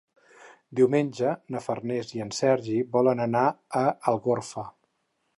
Diumenge na Farners i en Sergi volen anar a Algorfa.